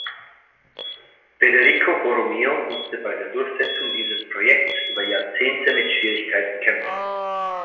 Federico Borromeo musste bei der Durchsetzung dieses Projekts über Jahrzehnte mit Schwierigkeiten kämpfen.